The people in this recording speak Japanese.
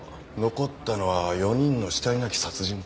残ったのは４人の死体なき殺人か。